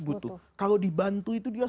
butuh kalau dibantu itu dia